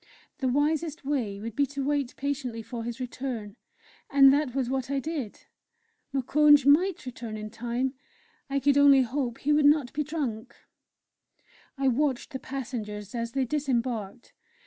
The wisest way would be to wait patiently for his return, and that was what I did. Moukounj might return in time I could only hope he would not be drunk! I watched the passengers as they disembarked.